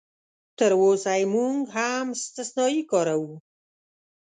تراوسه یې موږ هم استثنایي کاروو.